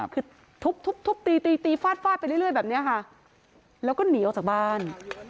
คือทุบทุบตีตีฟาดฟาดไปเรื่อยแบบนี้ค่ะแล้วก็หนีออกจากบ้าน